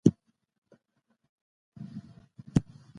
دین او چاپیریال د یووالي لامل ګرځي.